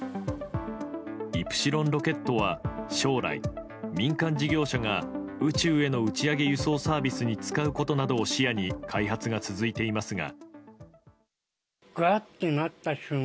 イプシロンロケットは将来、民間事業者が宇宙への打ち上げ輸送サービスに使うことなどを視野に開発が続いていますが。